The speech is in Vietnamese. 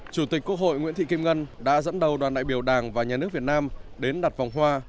chủ tịch quốc hội nguyễn thị kim ngân đã dẫn đầu đoàn đại biểu đảng và nhà nước việt nam đến đặt vòng hoa